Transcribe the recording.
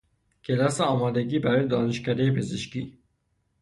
کلاس آمادگی برای دانشکدهی پزشکی